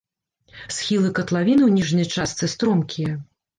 Схілы катлавіны ў ніжняй частцы стромкія.